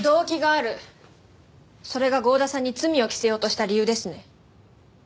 それが剛田さんに罪を着せようとした理由ですね？